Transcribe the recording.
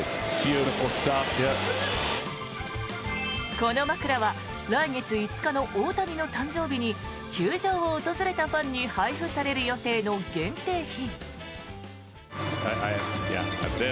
この枕は来月５日の大谷の誕生日に球場を訪れたファンに配布される予定の限定品。